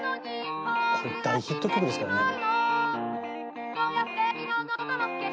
これ大ヒット曲ですからね。